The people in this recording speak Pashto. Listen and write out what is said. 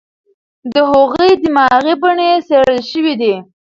د هغوی دماغي بڼې څېړل شوې دي.